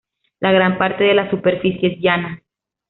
La gran parte de la superficie es llana.